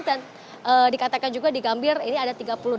dan dikatakan juga di gambir ini ada tiga puluh delapan